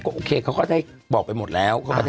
โอเคเขาก็ได้บอกไปหมดแล้ว